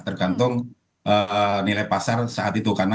tergantung nilai pasar saat itu